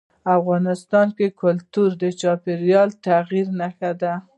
افغانستان کې کلتور د چاپېریال د تغیر نښه ده.